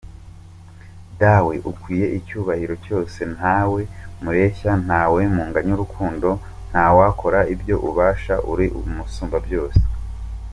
Dawe, ukwiye icyubahiro cyose, ntawe mureshya, ntawe munganya urukundo, ntawakora ibyo ubasha, uri Umusumbabyose.